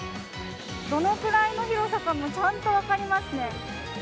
どのくらいの広さかもちゃんと分かりますね。